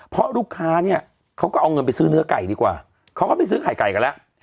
เพราะลูกค้าเนี่ยเขาก็เอาเงินไปซื้อเนื้อไก่ดีกว่าเขาก็ไปซื้อไข่ไก่กันแล้ว